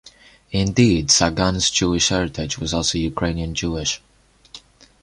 Indeed, Sagan's Jewish heritage was also Ukrainian Jewish.